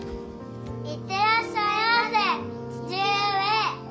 行ってらっしゃいませ父上。